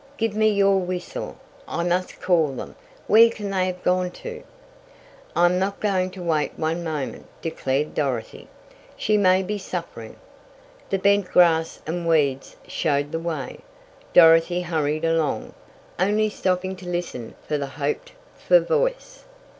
Give me your whistle. I must call them. Where can they have gone to?" "I am not going to wait one moment," declared Dorothy. "She may be suffering!" The bent grass and weeds showed the way, Dorothy hurried along, only stopping to listen for the hoped for voice.